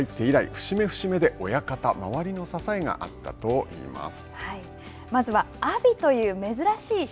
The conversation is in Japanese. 角界に入って以来、節目節目で親方、周りの支えがあったといいます。